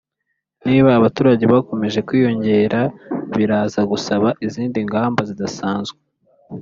Niba abaturage bakomeje kwiyongera biraza gusaba izindi ngamba zidasanzwe